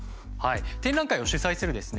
展覧会を主催するですね